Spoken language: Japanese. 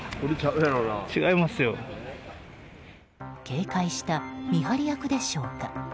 警戒した見張り役でしょうか。